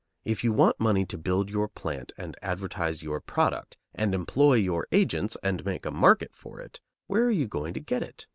If you want money to build your plant and advertise your product and employ your agents and make a market for it, where are you going to get it?